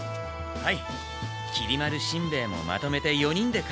はい！